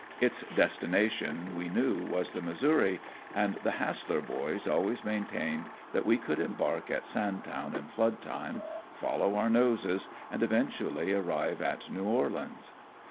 Its destination, we knew, was the Missouri, and the Hassler boys always maintained that we could embark at Sandtown in flood time, follow our noses, and eventually arrive at New Orleans.